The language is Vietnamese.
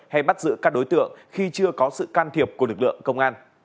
hay bắt giữ các đối tượng khi chưa có sự can thiệp của lực lượng công an